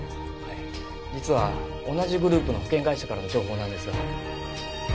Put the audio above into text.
実は同じグループの保険会社からの情報なんですが。